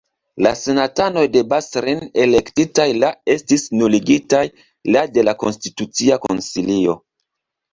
La senatanoj de Bas-Rhin elektitaj la estis nuligitaj la de la Konstitucia Konsilio.